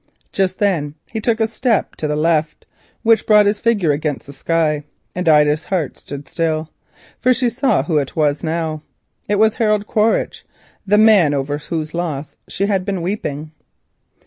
Just then he took a step to the left, which brought his outline against the sky, and Ida's heart stood still, for now she knew him. It was Harold Quaritch, the man over whose loss she had been weeping.